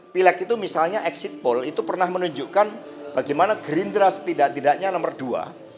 pilek itu misalnya exit poll itu pernah menunjukkan bagaimana green trust tidak tidaknya nomor dua